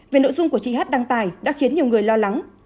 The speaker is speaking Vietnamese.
về nội dung của chị hát đăng tài đã khiến nhiều người lo lắng